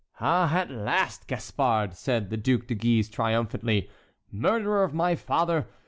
"Ah, at last, Gaspard!" said the Duke de Guise, triumphantly. "Murderer of my father!